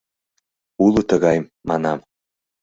— Уло тыгай, — манам.